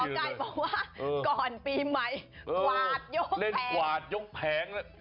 บอกกายบอกว่าก่อนปีใหม่กวาดยกแผง